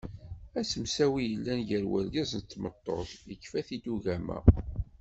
Asemsawi i yellan gar urgaz n tmeṭṭut yefka-t-id ugama.